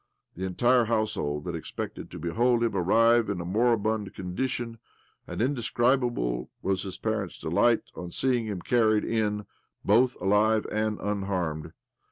The entire household had expected to behold him arrive in a moribund con dition ; and indescribable was his parents' delight on seeing him carried in both alive and unharmed.